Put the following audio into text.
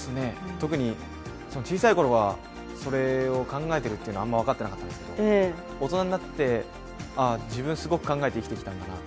特に小さい頃はそれを考えてるというのはあまり分かっていなかったんですけど大人になって自分、すごく考えて生きてきたなと。